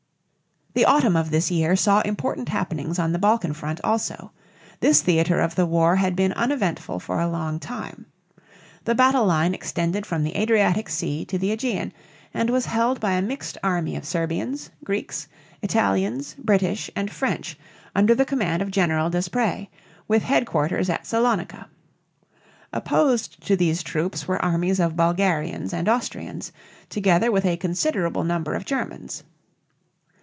The autumn of this year saw important happenings on the Balkan front also. This theater of the war had been uneventful for a long time. The battle line extended from the Adriatic Sea to the Ægean, and was held by a mixed army of Serbians, Greeks, Italians, British, and French, under the command of General D'Esperey (des prā´), with headquarters at Salonica. Opposed to these troops were armies of Bulgarians and Austrians, together with a considerable number of Germans.